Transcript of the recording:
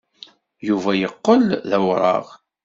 Yuba yeqqel d awraɣ.